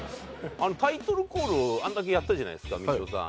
タイトルコールをあれだけやったじゃないですかみちおさん。